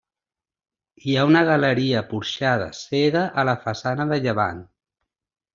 Hi ha una galeria porxada cega a la façana de llevant.